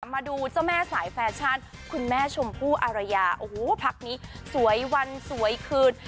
มาดูเจ้าแม่สายแฟชั่นคุณแม่ชมพู่อารยาโอ้โหพักนี้สวยวันสวยคืน